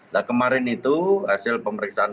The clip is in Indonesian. nah kemarin itu hasil pemeriksaan